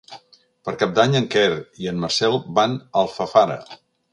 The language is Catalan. Per Cap d'Any en Quer i en Marcel van a Alfafara.